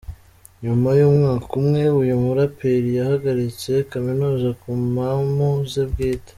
Nyuma y’umwaka umwe, uyu muraperi yahagaritse Kaminuza ku mpamu ze bwite.